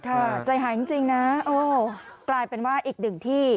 ใจหายจริงนะโอ้กลายเป็นว่าอีกหนึ่งที่